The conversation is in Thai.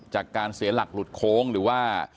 จากการเสียหลักหลุดโค้งหรือว่า